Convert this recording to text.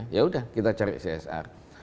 ya udah kita cari csr